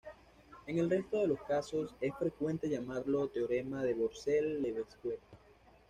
En el resto de los casos, es frecuente llamarlo "Teorema de Borel-Lebesgue".